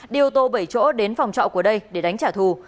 đi ô tô bảy chỗ đến phòng trọ của đây để đánh trả thù